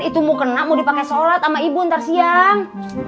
itu mau kena mau dipake sholat sama ibu ntar siang